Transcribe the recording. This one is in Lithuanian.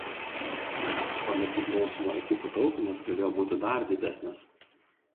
O nepriklausomų ekipų taupymas galėjo būti dar didesnis.